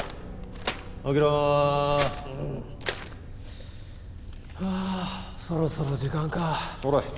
起きろうんはあそろそろ時間かほれ